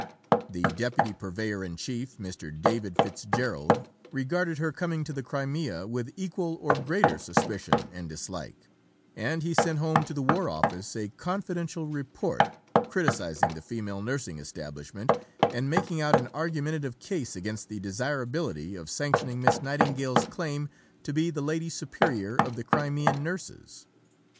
The Deputy Purveyor in Chief, Mr. David Fitz Gerald, regarded her coming to the Crimea with equal, or greater, suspicion and dislike, and he sent home to the War Office a Confidential Report, criticizing the female nursing establishment, and making out an argumentative case against the desirability of sanctioning Miss Nightingale's claim to be the Lady Superior of the Crimean nurses.